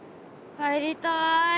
帰りたい。